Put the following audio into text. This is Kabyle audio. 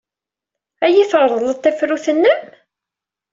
Ad iyi-treḍleḍ tafrut-nnem?